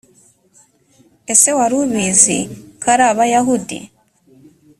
ese wari ubizi kari abayahudi.